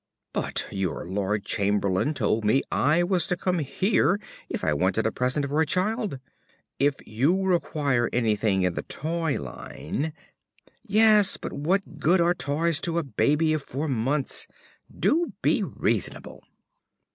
"But your Lord Chamberlain told me I was to come here if I wanted a present for a child." "If you require anything in the toy line " "Yes, but what good are toys to a baby of four months? Do be reasonable."